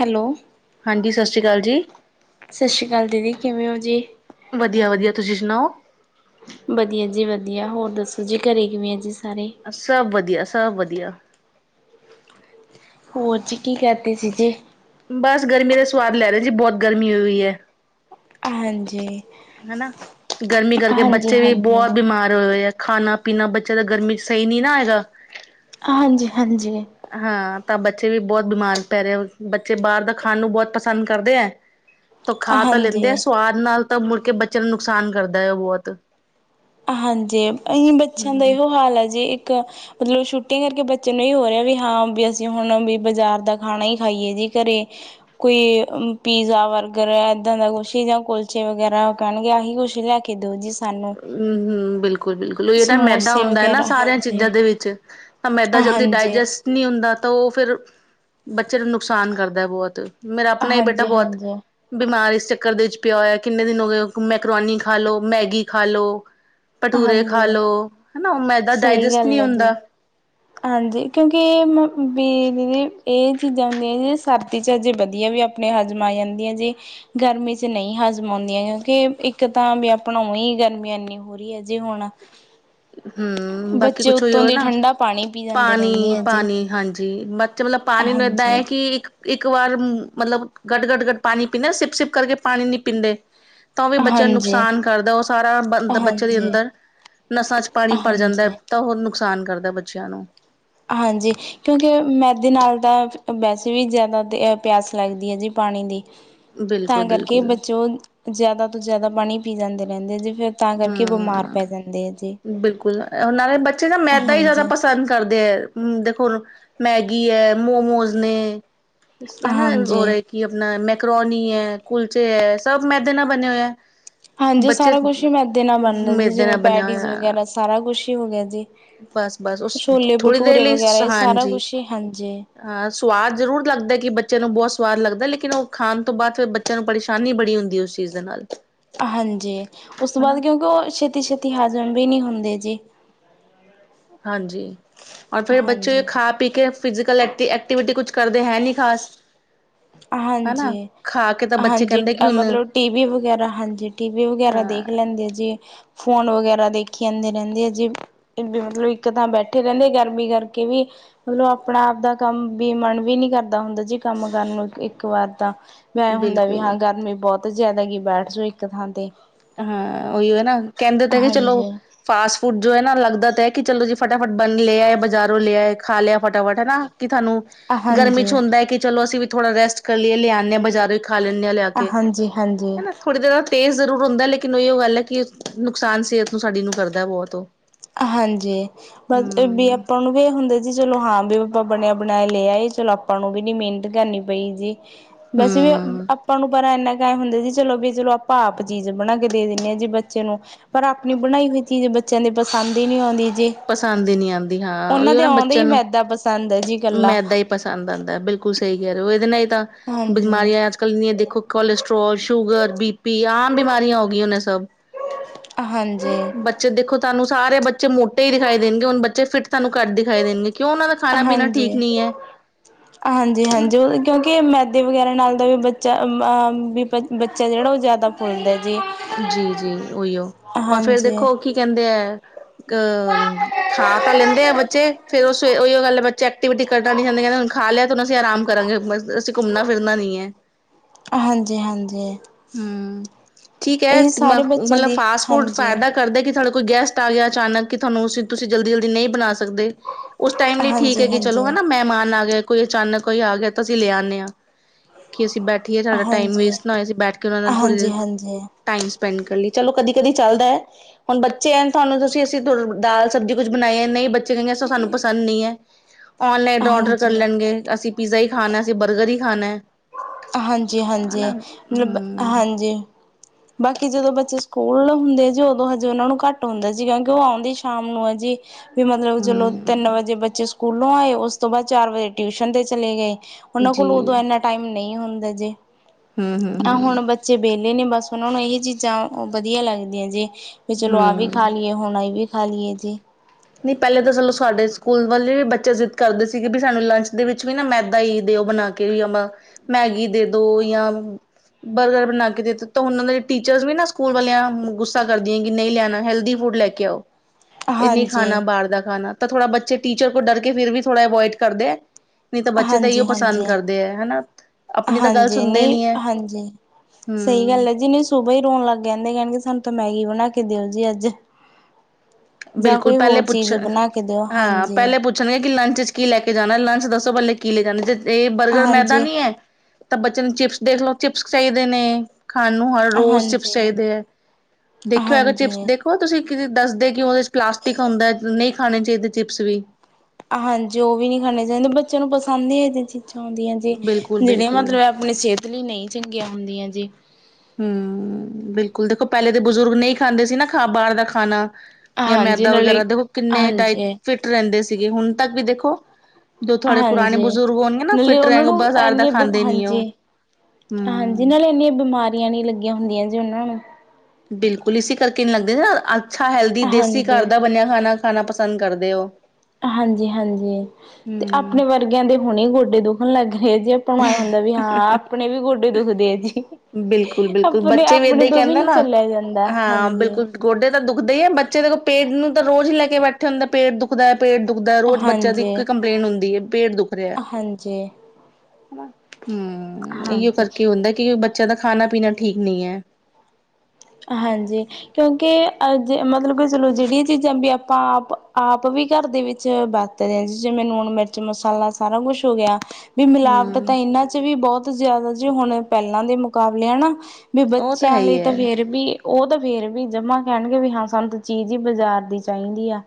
Hello, ਹਾਂਜੀ, ਸ਼ਾਸਰੀ ਕਾਲ ਜੀ। ਸ਼ਸ਼੍ਰੀ ਕਾਲ ਦੀਦੀ, ਕਿਵੇਂ ਓਂ ਜੀ? ਵਦੀਆ- ਵਦੀਆ, ਤੁਸੀ ਸੁਨਾਓ? ਵਦੀਆ ਜੀ, ਵਦੀਆ ਹੋਰ ਦੱਸੋ ਜੀ, ਘੱਰੇ ਕਿਵੇਂ ਐ ਜੀ ਸਾਰੇ? ਸਬ ਵਦੀਆ, ਸਵ ਵਦੀਆ। ਹੋਰ ਜੀ, ਕੀ ਕਰਦੇ ਸੀ ਜੇ? ਬਾੱਸ ਗਰਮੀ ਦਾ ਸਵਾਦ ਲੈ ਰੇ ਜੀ, ਬੋਤ ਗਰਮੀ ਹੋਈ ਉਈ ਐ। ਹਾਂਜੀ। ਹਨਾ। ਗਰਮੀ ਕਰਕੇ ਹਾਂਜੀ, ਬੱਚੇ ਵੀ ਹਾਂਜੀ, ਬੋਤ ਬਿਮਾਰ ਹੋਏ ਹੋਏ ਆ, ਖਾਨਾ ਪੀਨਾ ਬੱਚਯਾਂ ਦਾ ਗਰਮੀ ਚ' ਸਈ ਨੀ ਨਾ ਹੈਗਾ। ਹਾਂਜੀ- ਹਾਂਜੀ। ਹਾਂ। ਤਾ ਬੱਚੇ ਵੀ ਬੋਤ ਬਿਮਾਰ ਪੈ ਰੇ, ਬੱਚੇ ਬਾਰ ਦਾ ਖਾਨ ਨੂੰ ਬੋਤ ਪਸੰਦ ਕਰਦੇ ਐ। [inaudible] ਤੋ ਖਾ ਤਾ ਲੈਂਦੇ ਆ ਹਾਂਜੀ, ਸਵਾਦ ਨਾਲ, ਤਾਂ ਮੁੜਕੇ ਬੱਚਯਾ ਨੂੰ ਨੁਕਸਾਨ ਕਰਦਾ ਐ ਓ ਬੋਤ। ਹਾਂਜੀ। ਅਹੀ ਬੱਚਯਾ ਦਾ ਏਹੋ ਹਾਲ ਆ ਜੀ, ਇੱਕ ਮਤਲਬ ਛੁੱਟੀ ਕਰਕੇ ਬੱਚੇ ਨੂੰ ਏਹੋ ਹੋ ਰਿਐ ਵੀ, ਹਾਂ ਵੀ ਅਸੀ ਹੁਨ ਬੀ ਬਾਜ਼ਾਰ ਦਾ ਖਾਨਾ ਈ ਖਾਈਏ ਜੀ ਘਰੇ ਕੋਈ ਪੀਜ਼ਾ, ਬਰਗਰ ਐਦਾਂ ਦਾ ਕੁਛ ਜਾ ਕੁਲਚੇ ਵਗੈਰਾ ਕੈਨਗੇ ਆਹੀ ਕੁਛ ਲ ਕੇ ਦੋ ਜੀ ਸਾਨੂੰ ਹੂੰ, ਹੂੰ, ਬਿਲਕੁਲ। ਬਿਲਕੁਲ- ਬਿਲਕੁਲ ਓਈਓ ਤਾ ਮੈਦਾ ਸਮੋਸੇ ਹੁੰਦੈ ਨਾ ਵਗੈਰਾ ਸਾਰੀਆਂ ਚੀਜ਼ਾਂ ਹਾਂਜੀ। ਦੇ ਵਿੱਚ, ਤਾਂ ਮੈਦਾ ਜਲਦੀ ਹਾਂਜੀ, ਡਾਇਜੈਸਟ ਨੀ ਹੁੰਦਾ, ਤੋ ਓ ਫਿਰ, ਬੱਚੇ ਨੂੰ ਨੁਕਸਾਨ ਕਰਦਾ ਬੋਤ। ਮੇਰਾ ਆਪਨਾ ਈ ਬੇਟਾ ਹਾਂਜੀ, ਬੋਤ ਹਾਂਜੀ, ਬਿਮਾਰ ਇਸ ਚੱਕਰ ਦੇ ਵਿੱਚ ਪਿਯਾ ਹੋਯੈ ਕਿੰਨੇ ਦਿਨ ਹੋ ਗਏ ਮੈਕਰੋਨੀ ਖਾ ਲੋ, ਮੈਗੀ ਖਾ ਲੋ। ਭਟੂਰੇ ਖਾ ਹਾਂਜੀ। ਲੋ, ਹਨਾ ਓ ਮੈਦਾ ਸਹੀ ਡਾਇਜੈਸਟ ਗੱਲ ਨੀ ਹੈ ਜੀ। ਹੁੰਦਾ। ਹਾਂਜੀ। ਕਿਉਕਿ, ਬੀ ਐਹ ਚੀਜ਼ਾਂ ਸਰਦੀ ਵਿੱਚਵੱਧਿਆ ਆਪਾਂ। ਨਹੀ ਜਾਮੀ ਜਾਂਦੀਆਂ ਜੀ। ਗਰਮੀ ਵਿੱਚ ਇਹ ਹਜ਼ਮ ਨਹੀਂ ਹੁੰਦੀਆਂ, ਕਿਉਂਕਿ ਇੱਕ ਤਾਂ ਪਹਿਲਾਂ ਹੀ ਬਹੁਤ ਗਰਮੀ ਹੁੰਦੀ ਹੈ। ਹੋ ਰਰੀ ਹੈ ਜੀ। ਹੁਣ ਹੂ, ਬਾਕੀ ਬੱਚੇ ਕੁਛ ਹੋ ਉੱਤੋਂ ਜਾਏ ਦੀ ਨਾ, ਠੰਡਾ ਪਾਣੀ ਪੀ ਜਾਂਦੇ ਰਹਿੰਦੇ ਪਾਣੀ ਆ ਜੀ। -ਪਾਣੀ, ਹਾਂਜੀ। ਮਤਲਬ ਪਾਣੀ ਦਾ ਇਹੋ ਦਾ ਹਾਂਜੀ, ਹੈ ਕਿ ਇੱਕ ਇੱਕੋ ਵਾਰ ਮਤਲਬ ਗਟ-ਗਟ ਕਰਕੇ ਪਾਣੀ ਨਹੀਂ ਪੀਣਾ। ਸਿੱਪ-ਸਿੱਪ ਕਰਕੇ ਪੀਣਾ ਨਹੀ ਪੀਂਦੇ। ਤਾਂ ਵੀ ਬੱਚਾ ਹਾਂਜੀ, ਨੁਕਸਾਨ ਕਰਦਾ ਉਹ ਸਾਰਾ ਬੱਚੇ ਦੇ ਹਾਂਜੀ, ਅੰਦਰ। ਨਸਾਂ ਵਿੱਚ ਪਾਣੀ ਭਰ ਜਾਣ ਨਾਲ ਹਾਂਜੀ। ਬੱਚਿਆਂ ਨੂੰ ਨੁਕਸਾਨ ਹੋ ਸਕਦਾ ਹੈ। ਹਾਂਜੀ। ਕਿਉਂਕਿ ਮੈਦੇ ਨਾਲ ਵੈਸੇ ਵੀ ਜ਼ਿਆਦਾ ਪਿਆਸ ਲੱਗਦੀ ਹੈ ਜੀ ਪਾਣੀ ਦੀ। ਤਾਂ ਬਿਲਕੁਲ ਕਰਕੇ ਬਿਲਕੁਲ ਬੱਚੇ ਜ਼ਿਆਦਾ ਤੋਂ ਜ਼ਿਆਦਾ ਪਾਣੀ ਪੀਂਦੇ ਰਹਿੰਦੇ ਹਨ ਜੀ। ਤਾਂ ਕਰਕੇ ਬਿਮਾਰ ਹਾਂ ਪੈ ਜਾਂਦੇ ਆ ਜੀ, ਬਿਲਕੁਲ। ਨਾਲੇ ਬੱਚੇ ਮੈਦੇ ਵਾਲੀਆਂ ਚੀਜ਼ਾਂ ਹੀ ਜ਼ਿਆਦਾ ਹਾਂਜੀ ਪਸੰਦ ਕਰਦੇ ਹਨ। ਹਾਂ ਜੀ, ਦੇਖੋ ਨਾ, ਮੈਗੀ ਹੈ, ਮੋਮੋਜ਼ ਹਨ, ਹੋਰ ਵੀ ਕਈ ਮੈਦੇ ਹਾਂਜੀ ਵਾਲੀਆਂ ਚੀਜ਼ਾਂ ਹਨ। ਕੀ ਆਪਣੀ ਮੈਕਰੋਨੀ ਹੈ, ਕੁਲਚੇ ਹਨ, ਇਹ ਸਭ ਮੈਦੇ ਨਾਲ ਬਣੇ ਹੋਏ ਹਨ। ਹਾਂ ਜੀ, ਬਹੁਤ ਸਾਰੀਆਂ ਚੀਜ਼ਾਂ ਮੈਦੇ ਨਾਲ ਹੀ ਬਣਦੀਆਂ ਹਨ ਜੀ, ਮੈਦੇ ਨਾਲ ਜਿਵੇਂ ਬਣਿਆ ਪੈਟੀਜ਼ ਹੋਇਆ ਵਗੈਰਾ। ਅੱਜਕੱਲ੍ਹ ਤਾਂ ਬਹੁਤ ਕੁਝ ਮੈਦੇ ਨਾਲ ਬਣਦਾ ਹੈ ਬਸ ਬਸ ਜੀ। ਉਸ ਥੋੜ੍ਹੀ ਦੇਰ ਛੋਲੇ-ਭਟੂਰੇ ਲਈ ਵਗੈਰਾ, ਇਹ ਸਾਰੀਆਂ ਹਾਂਜੀ ਚੀਜ਼ਾਂ ਵੀ ਮੈਦੇ ਨਾਲ ਬਣਦੀਆਂ ਹਨ ਜੀ। ਹਾਂ ਜੀ, ਸਵਾਦ ਤਾਂ ਜ਼ਰੂਰ ਲੱਗਦਾ ਹੈ। ਬੱਚਿਆਂ ਨੂੰ ਇਹ ਚੀਜ਼ਾਂ ਬਹੁਤ ਪਸੰਦ ਆਉਂਦੀਆਂ ਹਨ, ਲੇਕਿਨ ਇਹ ਖਾਣ ਤੋਂ ਬਾਅਦ ਫਿਰ ਸਿਹਤ ਦਾ ਵੀ ਧਿਆਨ ਰੱਖਣਾ ਚਾਹੀਦਾ ਹੈ। ਬੱਚਿਆਂ ਨੂੰ ਉਸ ਚੀਜ਼ ਨਾਲ ਕਾਫ਼ੀ ਪਰੇਸ਼ਾਨੀ ਹੋ ਜਾਂਦੀ ਹੈ ਜੀ। ਹਾਂ ਜੀ, ਉਸ ਤੋਂ ਬਾਅਦ ਕਿਉਂਕਿ ਇਹ ਚੀਜ਼ਾਂ ਛੇਤੀ-ਛੇਤੀ ਹਜ਼ਮ ਵੀ ਨਹੀਂ ਹੁੰਦੀਆਂ ਜੀ। ਹਾਂ ਜੀ, ਅਤੇ ਫਿਰ ਬੱਚੇ ਹਾਂਜੀ ਖਾ-ਪੀ ਕੇ ਕੋਈ ਫਿਜ਼ੀਕਲ ਐਕਟੀਵਿਟੀ ਵੀ ਨਹੀਂ ਕਰਦੇ। ਕਰਦੇ ਨਹੀਂ ਹਨ ਜੀ, ਖ਼ਾਸ ਕਰਕੇ। ਹਾਂਜੀ! ਹਾਂਜੀ! ਕਿ ਹੁਣ ਮਤਲਬ ਟੀਵੀ ਵਗੈਰਾ ਹਾਂਜੀ ਦੇਖ ਹਾਂ ਲੈਂਦੇ ਹਨ ਜੀ। ਫੋਨ ਵਗੈਰਾ ਵੀ ਦੇਖਦੇ ਰਹਿੰਦੇ ਹਨ ਜੀ। ਇਕ ਥਾਂ ਬੈਠੇਂ ਰਹਿੰਦੇ ਗਰਮੀ ਕਰਕੇ ਹੀ ਮਤਲਬ ਆਪਣਾ ਕੰਮ ਕਰਨ ਨੂੰ ਵੀ ਮਨ ਨਹੀਂ ਕਰਦਾ ਹੁੰਦਾ ਜੀ। ਇੱਕ ਵਾਰ ਤਾਂ ਗੱਲ ਇਹ ਵੀ ਹੈ ਕਿ ਬਿਲਕੁਲ ਗਰਮੀ ਬਹੁਤ ਜ਼ਿਆਦਾ ਹੁੰਦੀ ਹੈ, ਇਸ ਕਰਕੇ ਬੰਦਾ ਇੱਕ ਥਾਂ ਤੇ ਬੈਠਾ ਰਹਿਣ ਨੂੰ ਹੀ ਪਸੰਦ ਕਰਦਾ ਹੈ ਜੀ। ਹਾਂ ਜੀ, ਉਹੀ ਨਾ ਕਹਿੰਦੇ ਹਾਂਜੀ। ਹਨ ਕਿ ਚਲੋ! ਹਾਂਜੀ, ਫਾਸਟ ਫੂਡ ਬਾਰੇ ਲੱਗਦਾ ਹੈ ਕਿ ਚਲੋ ਜੀ, ਫਟਾਫਟ ਬਣ ਲਿਆ ਜਾਂ ਬਜ਼ਾਰੋਂ ਲੈ ਆਏ ਤੇ ਖਾ ਲਿਆ। ਇਹ ਸੌਖਾ ਵੀ ਲੱਗਦਾ ਹੈ ਜੀ ਕਿਉਂਕਿ ਗਰਮੀ ਵਿੱਚ ਵੀ ਮਨ ਕਰਦਾ ਹੈ ਕਿ ਚਲੋ, ਅਸੀਂ ਵੀ ਥੋੜ੍ਹਾ ਰੈਸਟ ਕਰ ਲਈਏ, ਬਜ਼ਾਰੋਂ ਹੀ ਲੈ ਆਉਂਦੇ ਹਾਂ। ਖਾ ਲੈਂਦੇ ਹਾਂ, ਲਿਆ ਕੇ, ਹਾਂਜੀ, ਹਾਂਜੀ। ਹਨਾ? ਥੋੜ੍ਹੀ ਦੇਰ ਲਈ ਆਰਾਮ ਕਰ ਲੈਂਦੇ ਹਾਂ। ਸਵਾਦ ਤਾਂ ਜ਼ਰੂਰ ਹੁੰਦਾ ਹੈ, ਪਰ ਉਹੀ ਗੱਲ ਹੈ ਕਿ ਇਹ ਸਾਡੀ ਸਿਹਤ ਨੂੰ ਕਾਫ਼ੀ ਨੁਕਸਾਨ ਪਹੁੰਚਾਉਂਦਾ ਹੈ। ਹਾਂਜੀ! ਮਤਲਬ ਇਹ ਵੀ ਆਪਾਂ ਨੂੰ ਧਿਆਨ ਵਿੱਚ ਰੱਖਣਾ ਚਾਹੀਦਾ ਹੈ। ਹਾਂ ਜੀ, ਇਹੀ ਸੋਚ ਹੁੰਦੀ ਹੈ ਕਿ ਚਲੋ, ਬਣਿਆ-ਬਣਾਇਆ ਹੀ ਲੈ ਆਉਂਦੇ ਹਾਂ, ਆਪਾਂ ਨੂੰ ਵੀ ਮਿਹਨਤ ਨਹੀਂ ਕਰਨੀ ਪੈਂਦੀ ਜੀ। ਵੈਸੇ ਵੀ ਹਮ ਆਪਾਂ ਨੂੰ ਇੰਨੀ ਮਿਹਨਤ ਨਹੀਂ ਕਰਨੀ ਪੈਂਦੀ ਜੀ। ਹਾਂ ਜੀ, ਚਲੋ ਆਪਾਂ ਘਰ ਵਿੱਚ ਹੀ ਇਹ ਚੀਜ਼ ਬਣਾ ਕੇ ਬੱਚੇ ਨੂੰ ਦੇ ਦਿੰਦੇ ਹਾਂ ਜੀ। ਪਰ ਘਰ ਵਿੱਚ ਬਣਾਈ ਹੋਈ ਚੀਜ਼ ਬੱਚਿਆਂ ਨੂੰ ਪਸੰਦ ਹੀ ਨਹੀਂ ਆਉਂਦੀ ਜੀ। ਪਸੰਦ ਹੀ ਨਹੀਂ ਆਉਂਦੀ।, ਉਹੀ ਉਹਨਾਂ ਗੱਲ ਹੈ ਦੇ ਨਾ, ਆਉਂਦੇ ਬੱਚਿਆਂ ਹੀ ਨੂੰ ਮੈਦਾ ਪਸੰਦ ਹੈ ਜੀ ਤਾਂ ਇਕੱਲਾ ਮੈਦੇ ਵਾਲੀਆਂ ਚੀਜ਼ਾਂ ਹੀ ਜ਼ਿਆਦਾ ਪਸੰਦ ਆਉਂਦੀਆਂ ਹਨ। ਪਸੰਦ ਤਾਂ ਆਉਂਦੀਆਂ ਹਨ ਜੀ। ਬਿਲਕੁਲ ਸਹੀ ਕਹਿ ਰਹੇ ਹੋ। ਇਹਦੇ ਨਾਲ ਤਾਂ ਅੱਜਕੱਲ੍ਹ ਕਈ ਹਾਂਜੀ ਬਿਮਾਰੀਆਂ ਵੀ ਵੱਧ ਰਹੀਆਂ ਹਨ ਜੀ। ਨਾਲੇ ਦੇਖੋ ਜੀ, ਕੋਲੈਸਟ੍ਰੋਲ, ਸ਼ੂਗਰ, ਬੀਪੀ ਵਰਗੀਆਂ ਬਿਮਾਰੀਆਂ ਅੱਜਕੱਲ ਆਮ ਬਿਮਾਰੀਆਂ ਹੋ ਗਿਆ ਨੇ ਸਬ ਹਾਂਜੀ ਬੱਚੇ ਦੇਖੋ ਤੁਹਾਨੂੰ ਸਾਰੇ ਬੱਚੇ ਮੋ ਹੁਣ ਬੱਚੇ ਫਿੱਟ ਅਤੇ ਸਿਹਤਮੰਦ ਦਿਖਾਈ ਦੇਣਗੇ। ਕਿਉਂ ਉਹਨਾਂ ਦਾ ਖਾਣਾ ਪੀਣਾ ਠੀਕ ਹਾਂਜੀ, ਨਹੀਂ ਹੈ ਹਾਂਜੀ ਹਾਂਜੀ! ਉਹ ਕਿਉਂਕਿ ਮੈਦੇ ਵਗੈਰਾ ਨਾਲ ਬਣੀਆਂ ਚੀਜ਼ਾਂ ਜ਼ਿਆਦਾ ਖਾਣ ਨਾਲ ਬੱਚਾ ਵੀ ਕਈ ਵਾਰ ਗੱਲਾਂ ਜਲਦੀ ਭੁੱਲਣ ਲੱਗ ਪੈਂਦਾ ਹੈ। ਜੀ ਜੀ, ਉਹੀ ਗੱਲ ਹੈ। ਫਿਰ ਦੇਖੋ, ਕੀ ਕਹਿੰਦੇ ਹਨ। ਖਾ ਤਾਂ ਲੈਂਦੇ ਹਨ ਬੱਚੇ, ਪਰ ਫਿਰ ਉਹੀ ਗੱਲ ਹੈ ਕਿ ਉਹ ਕੋਈ ਐਕਟਿਵਿਟੀ ਨਹੀਂ ਕਰਨਾ ਚਾਹੁੰਦੇ। ਕਹਿੰਦੇ ਹਨ, 'ਖਾ ਲਿਆ ਹੈ, ਹੁਣ ਅਸੀਂ ਆਰਾਮ ਕਰਾਂਗੇ। ਅਸੀਂ ਘੁੰਮਣਾ-ਫਿਰਣਾ ਨਹੀਂ ਹੈ। ਹਾਂਜੀ, ਹਾਂਜੀ! ਹੂੰ ਠੀਕ ਹੈ, ਮ ਮਤਲਬ ਕੀ ਫਾਸਟ ਫੂਡ ਹਾਂਜੀ, ਸਿਹਤ ਲਈ ਫਾਇਦੇਮੰਦ ਹੁੰਦਾ ਹੈ? ਜੇ ਸਾਡੇ ਘਰ ਕੋਈ ਗੈਸਟ ਅਚਾਨਕ ਆ ਜਾਵੇ, ਤਾਂ ਅਸੀਂ ਉਨ੍ਹਾਂ ਲਈ ਜਲਦੀ-ਜਲਦੀ ਹਰ ਚੀਜ਼ ਨਹੀਂ ਬਣਾ ਸਕਦੇ। ਉਸ ਟਾਇਮ ਲਈ ਠੀਕ ਹੈ। ਚਲੋ, ਹਾਂਜੀ-ਹਾਂਜੀ, ਜੇ ਕੋਈ ਮਹਿਮਾਨ ਅਚਾਨਕ ਆ ਜਾਵੇ, ਤਾਂ ਅਸੀਂ ਫਾਸਟ ਫੂਡ ਜਾਂ ਖਾਣਾ ਬਾਹਰੋਂ ਲੈ ਆਉਂਦੇ ਹਾਂ। ਕਿ ਅਸੀ ਬੈਠਏ ਸਾਡਾ ਟਾਈਮ ਹਾਂਜੀ। ਹਾਂਜੀ-ਹਾਂਜੀ, ਵੇਸਟ ਹੋਏ ਅਸੀ ਬੈਠਕੇ ਉਹਨਾਂ ਨਾਲ ਥੋੜ੍ਹੀ ਹਾਂਜੀ, ਦੇਰ- ਹਾਂਜੀ-ਹਾਂਜੀ। ਟਾਈਮ ਸਪੈਂਡ ਕਰ ਲਈ ਚਲੋ ਕਦੀ ਕਦੀ ਚੱਲਦਾ ਹੈ। ਹੁਣ ਬੱਚੇ ਐ ਤੁਹਾਨੂੰ ਤੁਸੀ ਅਸੀ ਦਾਲ ਸਬਜ਼ੀ ਕੁੱਛ ਬਣਾਈਏ ਨਹੀ- ਫਿਰ ਕਹਿਣਗੇ ਸਾਨੂੰ ਪਸੰਦ ਨਹੀ ਹੈ। ਔਨਲਾਈਨ ਰਡਰ ਕਰ ਹਾਂਜੀ ਲਣਗੇ ਅਸੀ- ਪੀਜ਼ਾ ਹੀ ਖਾਣਾ ਅਸੀ ਬਰਗਰ ਹੀ ਖਾਣਾ ਹੈ। ਹਾਂਜੀ- ਹਾਂਜੀ ਹਨਾ ਲਬ ਹੂੰ ਹਾਂਜੀ। ਬਾਕੀ ਜਦੋ ਬੱਚੇ ਸਕੂਲ ਹੁੰਦੇ ਏ ਜੀ ਉਦੋ ਹਜੇ ਓਨਾ ਨੂੰ ਘੱਟ ਆਂਦਾ ਜੀ ਜਾਣੀ ਕਿ ਓ ਆਉਂਦੇ ਈ ਸ਼ਾਮ ਨੂੰ ਐ ਜੀ। ਵੀ ਮਤਲਬ ਚਲੋ ਤਿੰਨ ਹੂੰ ਵਜੇ ਬੱਚੇ ਸਕ ਕੂਲੋਂ ਆਏ ਓਸ ਤੋਂ ਬਾਅਦ ਚਾਰ ਵਜੇ ਟਿਊਸ਼ਨ ਤੇ ਚਲੇ ਗਏ ਉਨਾਂ ਕੋਲ ਉਦੋ ਜੀ ਇੰਨਾ ਟਾਈਮ ਨਈ ਹੁੰਦਾ ਜੇ। ਆ ਹੁਣ ਹੂੰ-ਹੂੰ-ਹੂੰ-ਹੂੰ ਬੱਚੇ ਬੇਲੇ ਨੇ ਬਸ ਉਨਾ ਨੂੰ ਇਹੀ ਚੀਜਾ ਵਧੀਆ ਲੱਗਦੀਆਂ ਜੀ। ਵੀ ਚਲੋ ਆ ਵੀ ਖਾ ਲੀਏ ਹੁਣ ਅਏ ਵੀ ਖਾ ਲੀਏ ਜੀ ਨਈ ਪੈਲੇ ਤੇ ਸਲੋ ਸਾਡੇ ਸਕੂਲ ਵਾਲੇ ਵੀ ਬੱਚੇ ਜ਼ਿਦ ਕਰਦੇ ਸੀਗੇ ਵੀ ਸਾਨੂੰ ਲੰਚ ਦੇ ਵਿਚ ਵੀ ਨਾ ਮੈਦਾ ਈ ਦਿਓ ਬਣਾ ਕੇ ਕੇ ਯਮ ਮੈਗੀ ਦੇ ਦੋ ਯਾਂ ਬਰਗਰ ਬਣਾ ਕੇ ਦੇਤ ਤੋ ਓਨਾ ਦੇ ਟੀਚਰਸ ਵੀ ਨਾ ਸਕੂਲ ਵਾਲਿਆਂ ਗੁੱਸਾ ਕਰਦੀਆਂ ਕਿ ਨਈ ਲਿਆਣਾ ਹੈਲਦੀ ਫੂਡ ਲੈ ਕੇ ਘਿਓ ਹਾਂਜੀ ਬਾਅਰ ਦਾ ਖਾਣਾ ਤਾ ਥੋੜਾ ਬੱਚੇ ਟੀਚਰ ਕੋ ਡਰ ਕੇ ਫਿਰ ਵੀ ਥੋੜਾ ਅਵੋਇਡ ਕਰਦੇ ਐ। ਨਈ ਤਾ ਬੱਚੇ ਤਾ ਹਾਂਜੀ ਇਓ ਪਸੰਦ ਹਾਂਜੀ ਕਰਦੇ ਐ ਹਨਾ ਆਪਣੀ ਤਾ ਗੱਲ ਸੁਣਦੇ ਨੀ ਹੈ। ਸਈ ਹੂੰ ਗੱਲ ਐ ਜਿ ਸੁਬਾ ਈ ਰੋਣ ਲੱਗਗੇ ਕਹਿੰਦੇ ਕੈਣਗੇ ਸਾਨੂੰ ਤਾ ਮੈਗੀ ਬਣਾ ਕੇ ਦਿਓ ਜੀ ਅੱਜ। ਜਾਂ ਬਿਲਕੁਲ ਕੋਈ ਪਹਿਲੇ ਹੋਰ ਚੀਜ ਬਣਾ ਕੇ ਦਿਓ ਹਾਜੀ। [unintelligible] ਚੰਗਾ ਲੰਚ ਚ ਕੀ ਲੈ ਕੇ ਜਾਣਾ ਲੰਚ ਦੱਸੋ ਪੈਲੇ ਕੀ ਲੈਜਾਦੇ ਏ ਬਰਗਰ ਮੈਦਾ ਹਾਂਜੀ ਨਈ ਏ। ਤਾ ਬੱਚੇ ਨੂੰ ਚਿਪਸ ਦੇਖ ਲੋ ਚਿਪਸ ਚਾਈਦੇ ਨੇ। ਖਾਣ ਨੂੰ ਹਰ ਰੋਜ਼ ਚਿਪਸ ਹਾਂਜੀ। ਚਾਈਦੇ ਐ ਦੇਖਿਓ ਅਗਰ ਚਿਪਸ ਹਾਂਜੀ ਦੇਖੋ ਤੁਸੀ ਕਿਵ ਦੱਸਦੇ ਕਿ ਓਦੇ 'ਚ ਪਲਾਸਟਿਕ ਹੁੰਦਾ ਏ ਨਈ ਖਾਣੇ ਚਾਈਦੇ ਚਿਪਸ ਵੀ। ਹਾਂਜੀ ਓ ਵੀ ਨਈ ਖਾਣੇ ਚਾਈਦੇ ਬੱਚਿਆਂ ਨੂੰ ਪਸੰਦ ਈ ਇਹ ਜਿਆਂ ਚੀਜਾ ਆਂਦੀਆਂ ਜੇ ਬਿਲਕੁਲ ਜਿਹੜੇ ਬਿਲਕੁਲ ਮਤਲਬ ਆਪਣੀ ਸਿਹਤ ਲਈ ਨਈ ਚੰਗੀਆਂ ਹੁੰਦੀਆਂ ਜੇ। ਹੂੰ, ਬਿਲਕੁਲ ਦੇਖੋ ਪੈਲੇ ਦੇ ਬਜੁਰਗ ਨਈ ਖਾਂਦੇ ਸੀ ਨਾ ਖਾ ਬਾਅਰ ਦਾ ਖਾਣਾ ਯਾ ਹਾਂਜੀ ਮੈਦਾ ਨਾਲੇ ਵਗੈਰਾ ਦੇਖੋ ਕਿਨੇ ਡਾਇ ਹਾਂਜੀ ਫਿਟ ਰੈਂਦੇ ਸੀਗੇ ਹੁਣ ਤਕ ਵੀ ਦੇਖੋ। ਜੋ ਥੁਹਾਡੇ ਪੁਰਾਣੇ ਹਾਂਜੀ ਬਜੁਰਗ ਹੋਣਗੇ ਨਾ ਨਾਲੇ ਫਿਟ ਉਹਨਾਂ ਰੈਣਗੇ ਨੂੰ ਬਾਜ਼ਾਰ ਦਾ ਇੰਨੇ ਖਾਂਦੇ ਨੀ ਓ। ਹਾਂਜੀ ਹਾਂਜੀ, ਨਾਲੇ ਇੰਨੀਆਂ ਬਿਮਾਰੀਆਂ ਨੀ ਲੱਗੀਆਂ ਹੁੰਦੀਆਂ ਜੀ ਉਨਾਂ ਨੂੰ। ਬਿਲਕੁਲ, ਇਸੇ ਕਰਕੇ ਨੀ ਲੱਗਦੀਆਂ ਨਾ ਅੱਛਾ, ਹੈਲਦੀ, ਦੇਸੀ ਹਾਂਜੀ ਘਰ ਦਾ ਬਣਿਆ ਖਾਣਾ ਖਾਣਾ ਪਸੰਦ ਕਰਦੇ ਓ। ਹਾਂਜੀ- ਹਾਂਜੀ ਤੇ ਹੂੰ ਆਪਣੇ ਵਰਗਿਆਂ ਦੇ ਹੁਣੇ ਗੋਡੇ ਦੁਖਣ ਲੱਗ ਰੇ ਜੇ ਹੁਣ ਐ ਹੁੰਦਾ ਵੀ ਹਾਂ ਆਪਣੇ ਵੀ ਗੋਡੇ ਦੁਖਦੇ ਆ ਜੀ। ਬਿਲਕੁਲ- ਬਿਲਕੁਲ ਆਪਣੇ ਬੱਚੇ ਵੀ ਏਦਾਂ ਆਪਣੇ ਈ ਤੋਂ ਕੈਂਦੇ ਨੀ ਨਾ ਚੱਲਿਆ ਜਾਂਦਾ ਹਾਂ ਹਾਂਜੀ ਬਿਲਕੁਲ ਬਿਲ ਗੋਡੇ ਤਾਂ ਦੁਖਦੇ ਐ ਬੱਚੇ ਜਦੋ ਪੇਟ ਨੂੰ ਤਾਂ ਰੋਜ਼ ਈ ਲੈ ਕੇ ਬੈਠੇ ਹੁੰਦੇ ਪੇਟ ਦੁਖ ਦੁਖਦਾ ਐ ਪੇਟ ਦੁਖਦਾ ਐ ਰੋਜ ਬੱਚਿਆਂ ਦੀ ਹਾਂਜੀ ਇਕ ਕੰਪਲੇਂਨ ਹੁੰਦੀ ਐ ਪੇਟ ਦੁਖ ਰਿਐ। ਹਾਂਜੀ। ਹਨਾ, ਹੂੰ ਇਓ ਹਾਂਜੀ ਕਰਕੇ ਹੁੰਦਾ ਕਿ ਜੋ ਬੱਚਿਆਂ ਦਾ ਖਾਣਾ ਪੀਣਾ ਠੀਕ ਨਈ ਐ। ਹਾਂਜੀ ਕਿਉਕਿ ਅਜ ਮਤਲਬ ਕਿ ਚਲੋ ਜਿੜੀਆਂ ਚੀਜਾ ਵੀ ਆਪਾਂ ਆਪ- ਆਪ ਵੀ ਘਰ ਦੇ ਵਿਚ ਬਰ ਏ ਤੇ ਇੰਜ ਜਿਵੇ ਲੂਣ, ਮਿਰਚ ਮਸਾਲਾ ਸਾਰਾ ਕੁੱਛ ਹੋ ਗਿਆ ਵੀ ਹੂੰ ਮਿਲਾਵਟ ਤਾਂ ਇਨਾ 'ਚ ਵੀ ਬੌਤ ਜਿਆਦਾ ਜੇ ਹੁਣ ਪੈਲਾਂ ਦੇ ਮੁਕਾਬਲੇ ਅਨਾ ਬੀ ਉਹ ਹੈ ਬੱਚਿਆਂ ਲਈ ਹੀ ਤਾਂ ਹੈ ਫੇਰ ਵੀ ਓ ਤਾਂ ਫੇਰ ਵੀ ਜਮਾ ਕੈਣਗੇ ਵੀ ਹਾਂ ਸਾਨੂੰ ਤਾਂ ਚੀਜ਼ ਈ ਬਾਜ਼ਾਰ ਦੀ ਚਾਈਦੀ ਆ।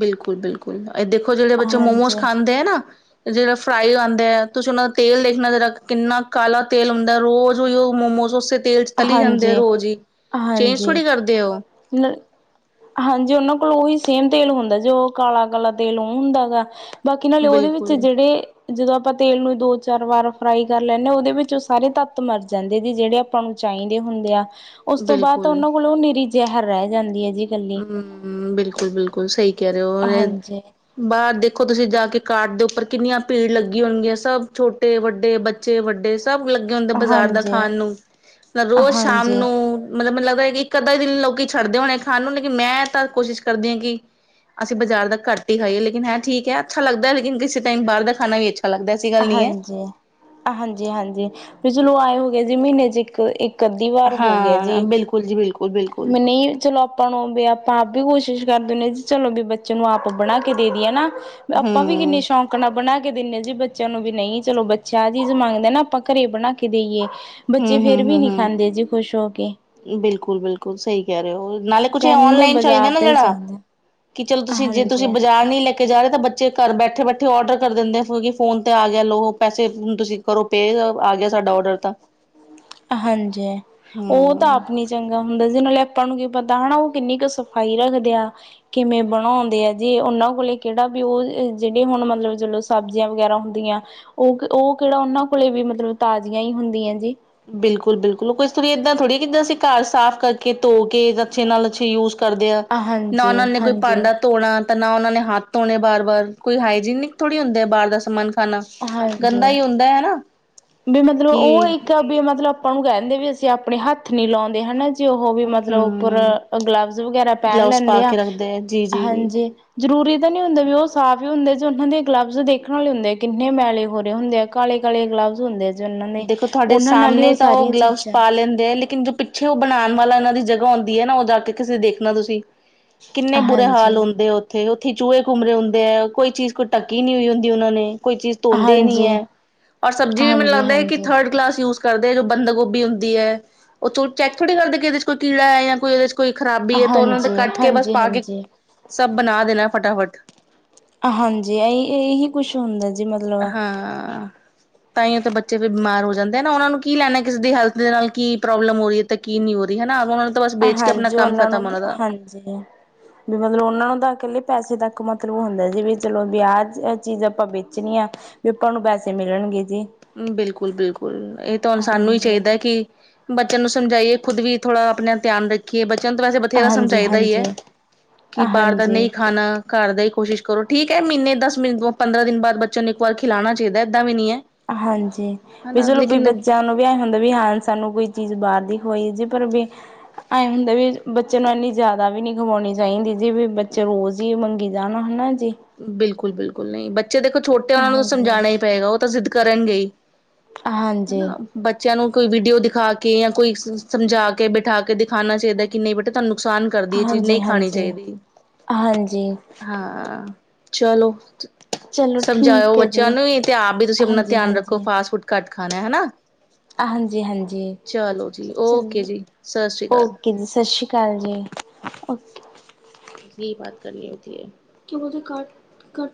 ਬਿਲਕੁਲ- ਬਿਲਕੁਲ ਐ ਦੇਖੋ ਜੇੜੇ ਬੱਚੇ ਮੋਮੋਸ ਹਾਂਜੀ ਖਾਂਦੇ ਆ ਨਾ ਓ ਜੇੜਾ ਫਰਾਈ ਆਂਦੇ ਐ ਤੁਸੀ ਓਨਾ ਦਾ ਤੇਲ ਦੇਖਣਾ ਜੇੜਾ ਕਿੱਨਾ ਕਾਲਾ ਤੇਲ ਹੁੰਦਾ ਏ ਰੋਜ਼ ਉਈਓ ਮੋਮੋਜ਼ ਓਸੇ ਤੇਲ ਚ ਤਲੀ ਜਾਂਦੇ ਆ ਹਾਂਜੀ ਰੋਜ਼ ਈ ਚੇਂਜ ਥੋੜ੍ਹੀ ਕਰਦੇ ਓ। ਨਾ ਹਾਂਜੀ, ਉਹਨਾਂ ਕੋਲ ਉਹੀ ਸੇਮ ਤੇਲ ਹੁੰਦਾ, ਜੋ ਕਾਲਾ ਕਾਲਾ ਤੇਲ ਉਹ ਹੁੰਦਾ ਹੈਗਾ। ਬਾਕੀ ਨਾਲੇ ਉਹਦੇ ਵਿੱਚ ਜਿਹੜੇ ਜਦੋਂ ਆਪਾਂ ਤੇਲ ਨੂੰ ਦੋ, ਚਾਰ ਵਾਰ ਫਰਾਈ ਕਰ ਲੈਂਦੇ ਹਾਂ। ਉਹਦੇ ਵਿੱਚ ਉਹ ਸਾਰੇ ਤੱਤ ਮਰ ਜਾਂਦੇ ਜ ਜਿਹੜੇ - ਆਪਾਂ ਨੂੰ ਚਾਹੀਦੇ ਹੁੰਦੇ ਆ, ਉਸ ਤੋਂ ਬਾਅਦ ਤਾਂ ਬਿਲਕੁਲ-ਬਿਲਕੁਲ। ਉਹਨਾਂ ਕੋਲੋਂ ਉਹ ਨਿਰੀ ਜ਼ਹਿਰ ਰਹਿ ਜਾਂਦੀ ਹੈ ਜੀ। ਇਕੱਲੀ। ਹੂ ਬਿਲਕੁਲ, ਬਿਲਕੁਲ ਸਹੀ ਕਹਿ ਰਹੇ ਹੋਨ ਹਾਂਜੀ, ਬਾਹਰ ਦੇਖੋ, ਤੁਸੀਂ ਜਾ ਕੇ ਕਾਰਟ ਦੇ ਉੱਪਰ ਕਿੰਨੀਆਂ ਭੀੜ ਲੱਗੀ ਹੋਣਗੀਆਂ ਸਭ ਛੋਟੇ ਵੱਡੇ ਬੱਚੇ ਵੱਡੇ ਸਭ ਲੱਗੇ ਹੁੰਦੇ, ਬਾਜ਼ਾਰ ਦਾ ਹਾਂਜੀ, ਖਾਣ ਨੂੰ ਰੋਜ਼ ਸ਼ਾਮ ਹਾਂਜੀ, ਨੂੰ ਮਤਲਬ ਮੈਨੂੰ ਲੱਗਦਾ ਹੈ, ਕਿ ਇੱਕ ਅੱਧਾ ਹੀ ਦਿਨ ਲੋਕ ਛੱਡਦੇ ਹੋਣੇ, ਖਾਣ ਨੂੰ ਲੇਕਿਨ ਮੈਂ ਤਾਂ ਕੋਸ਼ਿਸ਼ ਕਰਦੀ ਹਾਂ ਕਿ ਅਸੀਂ ਬਜ਼ਾਰ ਦਾ ਘਟ ਹੀ ਖਾਈਏੇ ਲੇਕਿਨ ਹੈ ਠੀਕ ਹੈ, ਅੱਛਾ ਲੱਗਦਾ ਲੇਕਿਨ ਟਾਈਮ ਬਾਹਰ ਦਾ ਖਾਣਾ ਵੀ ਅੱਛਾ ਲੱਗਦਾ ਹੈ। ਐਸੀ ਗੱਲ ਨਹੀਂ ਹਾਂਜੀ, ਹਾਂਜੀ -ਹਾਂਜੀ ਵੀ ਚਲੋ ਆਏ ਹੋ ਗਏ ਜੀ ਮਹੀਨੇ ਚ ਇੱਕ ਇੱਕ ਅੱਧੀ ਵਾਰ ਹੋ ਗਿਆ ਹਾਂ ਜੀ, ਬਿਲਕੁਲ ਜੀ ਬਿਲਕੁਲ ਬਿਲਕੁਲ ਮੈਂ ਨਹੀਂ ਚਲੋ ਹੁਣ ਔ ਵੀ ਆਪਾਂ ਆਪ ਵੀ ਕੋਸ਼ਿਸ਼ ਕਰਦੇ ਨੇ ਜੀ ਚਲੋ ਵੀ ਬੱਚੇ ਨੂੰ ਆਪ ਬਣਾ ਕੇ ਦੇ ਦਈਏ ਨਾ ਆਪਾਂ ਵੀ, ਹਮ ਕਿੰਨਨੀ ਸ਼ੌਕ ਨਾਲ ਬਣਾ ਕੇ ਦਿੰਨੇ ਜੀ ਬ ਬੱਚਿਆਂ ਨੂੰ ਵੀ ਨਹੀਂ, ਚਲੋ ਬੱਚਾ ਆ ਚੀਜ਼ ਮੰਗਦਾ ਨਾ, ਆਪਾਂ ਘਰੇ ਬਣਾ ਕੇ ਦੇਈਏ। ਬੱਚੇ ਹਮ ਹਮ ਫੇਰ ਵੀ ਹਮ ਨਹੀਂ ਹਮ ਖਾਂਦੇ ਜੀ ਖੁਸ਼ ਹੋ ਕੇ ਬਿਲਕੁਲ -ਬਿਲਕੁਲ ਸਹੀ ਕਹਿ ਰਹੇ ਹੋ। ਨਾਲੇ ਕੁਛ ਇਹ ਕਹਿੰਦੇ ਓਨਲਾਈਨ ਚੱਲ ਬਾਜ਼ਾਰ ਗਿਆ ਨਾ ਦਾ ਹੀ ਜਿਹੜਾ ਚਾਹੀਦਾ ਕਿ ਚਲੋ ਤੁਸੀਂ ਜੇ ਤੁਸੀਂ ਹਾਂਜੀ। ਬਾਜ਼ਾਰ ਨਈ ਲੈ ਕੇ ਜਾਣਾ, ਤਾਂ ਬੱਚੇ ਘਰ ਬੈਠੇ -ਬੈਠੇ ਔਰਡਰ ਕਰ ਦਿੰਦੇ ਆ ਕਿਉਂਕਿ ਫੋਨ ਤੇ ਆ ਗਿਆ ਲੋ ਪੈਸੇ ਤੁਸੀਂ ਕਰੋ ਪੇ, ਆ ਗਯਾ ਸਾਡਾ ਔਡਰ ਤਾਂ ਹਾਂਜੀ, ਉਹ ਤਾਂ ਹਮ ਆਪ ਨੀ ਚੰਗਾ ਹੁੰਦਾ ਜਿਹ ਨਾਲੇ ਆਪਾਂ ਨੂੰ ਕੀ ਪਤਾ ਹੋਣਾ, ਉਹ ਕਿੰਨੀ ਕੁ ਸਫ਼ਾਈ ਰੱਖਦੇ ਆ। ਕਿਵੇਂ ਬਣਾਉਂਦੇ ਐ ਜੀ, ਉਹਨਾਂ ਕੋਲ ਕਿਹੜਾ ਵੀ ਉਹ ਜਿਹੜੇ ਹੁਣ ਮਤਲਬ ਜਲੋਂ ਸਬਜ਼ੀਆਂ ਵਗੈਰਾ ਹੁੰਦੀਆਂ। ਉਹ ਉਹ ਕਿਹੜਾ ਉਹਨਾਂ ਕੋਲੇ ਵੀ ਮਤਲਬ ਤਾਜ਼ੀਆਂ ਹੀ ਹੁੰਦੀਆਂ ਜੀ। ਬਿਲਕੁਲ -ਬਿਲਕੁਲ ਉਹ ਇਸ ਤਰੀ ਏਦਾਂ ਥੋੜ੍ਹੀ ਹੈ, ਜਿੱਦਾਂ ਅਸੀਂ ਘਰ ਸਾਫ਼ ਕਰਕੇ, ਧੋ ਕੇ, ਅੱਛੇ ਨਾਲ ਅੱਛੇ ਯੂਜ ਕਰਦੇ ਆ, ਨਾ ਉਹਨਾਂ ਹਾਂਜੀ ਨੇ ਕੋਈ ਹਾਂਜੀ ਭਾਂਡਾ ਧੋਣਾ ਤਾਂ ਨਾ ਉਹਨਾਂ ਨੇ ਹੱਥ ਧੋਣੇ, ਬਾਰ -ਬਾਰ ਕੋਈ ਹਾਈਜੀਨਿਕ ਥੋੜ੍ਹੀ ਹੁੰਦੇ ਆ ਬਾਹਰ ਦਾ ਸਮਾਨ ਖਾਣਾ, ਗੰਦਾ ਹਾਂਜੀ ਹੀ ਹੁੰਦਾ ਹੈਨਾ। ਵੀ ਮਤਲਬ, ਉਹ ਇੱਕ ਵੀ ਮਤਲਬ, ਆਪਾਂ ਨੂੰ ਕਹਿੰਦੇ ਵੀ ਅਸੀਂ ਆਪਣੇ ਹੱਥ ਨੀ ਲਾਉਂਦੇ ਹੈਨਾ ਜੀ ਜੇ ਉਹ ਵੀ ਮਤਲਬ, ਉੱਪਰ ਹਮ ਗਲਵਜ਼ ਵਗੈਰਾ ਪਹਿਨ ਗਲਵਸ ਪਾ ਲੈਂਦੇ ਆ ਕੇ ਰੱਖਦੇ ਹੈ ਜੀ ਜੀ ਜੀ ਹਾਂਜੀ। ਜ਼ਰੂਰੀ ਤਾਂ ਨਹੀਂ ਹੁੰਦੇ, ਵੀ ਉਹ ਸਾਫ਼ ਹੀ ਹੁੰਦੇ, ਜ ਉਹਨਾਂ ਦੇ ਗਲਬਜ਼ ਦੇਖਣ ਵਾਲੇ ਹੁੰਦੇ ਆ ਕਿੰਨੇ ਮੈਲੇ ਹੋ ਰਹੇ ਹੁੰਦੇ ਆ। ਕਾਲੇ -ਕਾਲੇ ਗਲਵਸ ਹੁੰਦੇ ਸੀ। ਦੇਖੋ, ਤੁਹਾਡੇ ਸਾਹਮਣੇ ਤਾਂ ਉਹ ਗਲਵਸ ਚੀਜ਼ਾਂ ਪਾ ਲੈਂਦੇ ਆ ਲੇਕਿਨ ਜੋ ਪਿੱਛੇ ਉਹ ਬਣਾਉਣ ਵਾਲਾ, ਇਹਨਾਂ ਦੀ ਜਗ੍ਹਾ ਆਉਂਦੀ ਹੈ, ਨਾ ਉਹ ਜਾ ਕੇ ਕਿਸੇ ਦੇਖਣਾ ਤੁਸੀਂ ਕਿੰਨੇ ਬੁਰੇ ਹਾਲ ਹਾਂਜੀ। ਹੁੰਦੇ ਉੱਥੇ ਉੱਥੇ ਈ ਚੂਹੇ ਘੁੰਮ ਰਹੇ ਹੁੰਦੇ ਹੈ, ਕੋਈ ਚੀਜ਼ ਕੋਈ ਢੱਕੀ ਨਹੀਂ ਹੁੰਦੀ ਉਹਨਾਂ ਨੇ ਕੋਈ ਚੀਜ਼ ਧੋਂਦੇ ਨੀ ਹਾਂਜੀ ਹਾਂਜੀ ਹੈ, ਔਰ ਸਬਜ਼ੀ ਵੀ ਮੈਨੂੰ ਹਾਂਜੀ ਲੱਗਦਾ ਕਿ ਹਾਂਜੀ ਥਰਡ ਕਲਾਸ ਯੂਜ ਕਰਦੇ ਐ, ਜੋ ਬੰਦ ਗੋਭੀ ਹੁੰਦੀ ਹੈ, ਉਹ ਚੈੱਕ ਥੜੀ ਕਰਦੇ ਕਿ ਇਹਦੇ ਚ ਕੋਈ ਕੀੜਾ ਹੈ ਜਾਂ ਕੋਈ ਉਹਦੇ ਕੋਈ ਖ਼ਰਾਬੀ ਹੈ, ਤੇ ਉਹਨਾਂ ਤੇ ਹਾਂਜੀ ਕੱਟ ਕੇ ਬਸ ਪਾ ਕੇ ਹਾਂਜੀ। ਸਭ ਬਣਾ ਦੇਣਾ ਫਟਾਫਟ ਹਾਂਜੀ, ਇ ਇਹੀ ਕੁਛ ਹੁੰਦਾ ਜੀ ਮਤਲਬ ਤਾਇਯੋ ਤੇ ਬੱਚ ਬੱਚੇ ਬਿਮਾਰ ਹੋ ਜਾਂਦੇ ਐ ਨਾ, ਉਹਨਾਂ ਨੂੰ ਕੀ ਲੈਣਾ, ਕਿਸੇ ਦੀ ਹੈਲਥ ਦੇ ਨਾਲ ਕੀ ਪ੍ਰੋਬਲਮ ਹੋ ਰਹੀ ਹੈ ਤੇ ਕੀ ਨਹੀਂ ਹੋ ਰਹੀ ਹੈਾ ਉਹ ਨੂੰ ਔ ਤਾਂ ਬਸ ਵੇਚ ਕੇ ਆਪਣਾ, ਬਸ ਕੰਮ ਖਤਮ ਉਹਨਾਂ ਦਾ ਜੇ ਵੀ ਮਤਲਬ, ਉਹਨਾਂ ਨੂੰ ਤਾਂ ਇਕੱਲੇ ਪੈਸੇ ਤੱਕ ਮਤਲਬ ਹੁੰਦਾ ਸੀ, ਵੀ ਚਲੋ ਵੀ ਆਹ ਚੀਜ਼ ਆਪਾਂ ਵੇਚਣੀ ਆ ਲੋਕਾਂ ਨੂੰ, ਪੈਸੇ ਮਿਲਣਗੇ ਜੀ ਬਿਲਕੁਲ -ਬਿਲਕੁਲ ਇਹ ਤਾਂ ਹੁਣ, ਸਾਨੂੰ ਹੀ ਹਾਂਜੀ ਚਾਹੀਦਾ ਕਿ ਬੱਚਿਆਂ ਨੂੰ ਸਮਝਾਈਏ, ਖੁਦ ਵੀ ਥੋੜ੍ਹਾ ਆਪਣਾ ਧਿਆਨ ਕਿ ਇਹ ਬੱਚਿਆਂ ਨੂੰ ਤਾਂ ਵੈਸੇ, ਬਥੇਰਾ ਹਾਂਜੀ ਸਮਝਾਈਦਾ ਹੀ ਹੈ, ਹਾਂਜੀ। ਕਿ, ਬਾਹਰ ਦਾ ਹਾਂਜੀ, ਨਹੀਂ ਖਾਣਾ ਘਰ ਦਾ ਹੀ ਕੋਸ਼ਿਸ਼ ਕਰੋ, ਠੀਕ ਹੈ ਮਹੀਨੇ ਦਸ- ਪੰਦਰਾਂ ਦਿਨ ਬਾਅਦ, ਬੱਚਿਆਂ ਨੂੰ ਇੱਕ ਵਾਰ ਖਿਲਾਉਣਾ ਚਾਹੀਦਾ, ਏਦਾਂ ਵੀ ਨਹੀਂ ਹੈ। ਹਾਂਜੀ, ਵੀ ਹਨਾ ਚਲੋ ਵੀ ਲੇਕਿਨ ਬੱਚਿਆਂ ਨੂੰ, ਵਿਆ ਹੁੰਦਾ ਵੀ ਹਾਂ, ਸਾਨੂੰ ਕੋਈ ਚੀਜ਼ ਬਾਹਰ ਦੀ ਖਵਾਈ ਜੇ ਪਰ ਵੀ ਐਵੇਂ ਹੁੰਦਾ ਵੀ, ਬੱਚੇ ਨੂੰ ਇੰਨੀ ਜ਼ਿਆਦਾ ਵੀ ਨਹੀ, ਖਵਾਉਣੀ ਦਹੀ ਦੀ ਜੀ ਵੀ ਬੱਚੇ ਰੋਜ਼ ਹੀ ਮੰਗੀ ਜਾਣਾ ਹਨਾ ਜੀ ਬਿਲਕੁਲ- ਬਿਲਕੁਲ ਨਹੀਂ ਬੱਚੇ ਦੇਖੋ ਛੋਟੇ, ਉਹਨਾਂ ਨੂੰ ਤਾਂ ਹਾਂਜੀ, ਸਮਝਾਉਣਾ ਹੀ ਪਏਗਾ, ਉਹ ਤਾਂ ਜ਼ਿੱਦ ਕਰਨਗੇ ਹੀ ਹਾਂਜੀ, ਹਨਾ। ਬੱਚਿਆਂ ਨੂੰ, ਕੋਈ ਵੀਡੀਓ ਦਿਖਾ ਕੇ ਜਾਂ ਕੋਈ ਸਮਝਾ ਕੇ ਬਿਠਾ ਕੇ, ਦਿਖਾਉਣਾ ਚਾਹੀਦਾ ਕਿ ਨਹੀਂ, ਬੇਟੇ ਤੁਹਾਨੂੰ ਨੁਕਸਾਨ ਘਰ ਦੀ ਚੀਜ਼ ਹਾਂਜੀ, ਨਹੀਂ, ਖਾਣੀ ਹਾਂਜੀ। ਚਾਹੀਦੀ ਹਾਂਜੀ, ਹਾਂ ਚਲੋ ਚਲੋ ਸਮਝਾਓ ਠੀਕ ਹੈ ਜੀ। ਬੱਚਿਆਂ ਨੂੰ, ਵੀ ਤੇ ਆਪ ਵੀ ਤੁਸੀਂ ਆਪਣਾ ਹਾਂਜੀ, ਧਿਆਨ ਰੱਖੋ, ਹਾਂਜੀ, ਫਾਸਟ- ਫੂਡ ਘੱਟ, ਖਾਣਾ ਹਨਾ ਹਾਂਜੀ- ਹਾਂਜੀ ਚਲੋ ਜੀ ਓਕੇ ਚਲੋ ਜੀ ਸਤਿ ਸ਼੍ਰੀ ਅਕਾਲ ਓਕੇ, ਜੀ ਸਤ ਸ਼੍ਰੀ ਅਕਾਲ। ਚੱਲ ਜੀ ਕੀ ਬਾਤ ਕਰਨੀ ਹੁੰਦੀ ਏ, ਕਿਉ ਕੇ ਕਾਟ ਕਟਤਾ